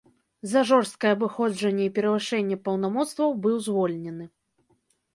За жорсткае абыходжанне і перавышэнне паўнамоцтваў быў звольнены.